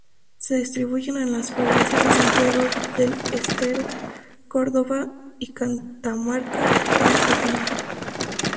Se distribuyen en las provincias de Santiago del Estero, Córdova y Catamarca, en Argentina.